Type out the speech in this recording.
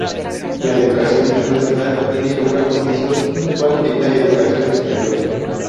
La educación internacional tiene una posición inusual en la educación superior.